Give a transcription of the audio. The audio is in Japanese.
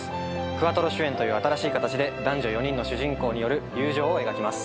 クアトロ主演という新しい形で男女４人の主人公による友情を描きます。